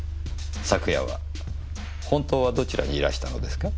昨夜は本当はどちらにいらしたのですか？